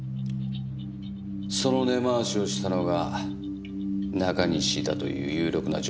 その根回しをしたのが中西だという有力な情報を掴んだ。